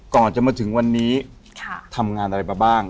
ก่อนจะมาถึงวันนี้ทำงานอะไรมาบ้าง